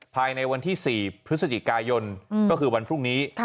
ภายในวันที่๔พฤศจิกายนก็คือวันพรุ่งนี้